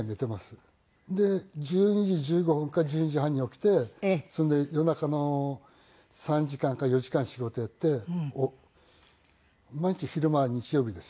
で１２時１５分か１２時半に起きてそれで夜中の３時間か４時間仕事をやって毎日昼間は日曜日です。